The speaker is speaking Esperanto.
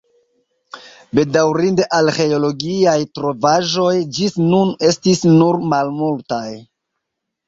Bedaŭrinde arĥeologiaj trovaĵoj ĝis nun estis nur malmultaj.